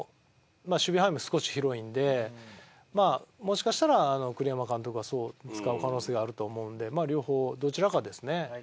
守備範囲も少し広いんでまあもしかしたら栗山監督はそう使う可能性があると思うんで両方どちらかですね。